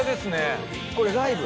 これライブ？